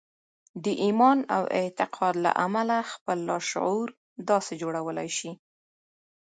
د ايمان او اعتقاد له امله خپل لاشعور داسې جوړولای شئ.